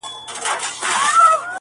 له وخت ددې خاوري ملي ارزښت دی